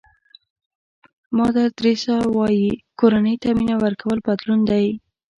مادر تریسیا وایي کورنۍ ته مینه ورکول بدلون دی.